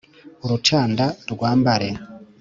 Urucanda rwambare